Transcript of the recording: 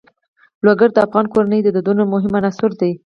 لوگر د افغان کورنیو د دودونو مهم عنصر دی.